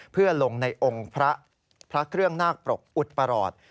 เพื่อลงในองค์พระเครื่องนาคปรกอุดประหลอด